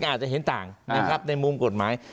อาจจะเห็นต่างนะครับในมุมกฎหมาย